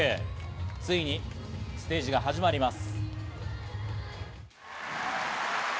ついにステージが始まります。